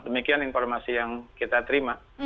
demikian informasi yang kita terima